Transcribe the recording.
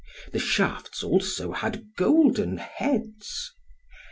The shafts also had golden heads.